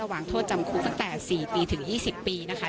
หวังโทษจำคุกตั้งแต่๔ปีถึง๒๐ปีนะคะ